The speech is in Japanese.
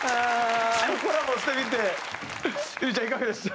コラボしてみてｉｒｉちゃんいかがでした？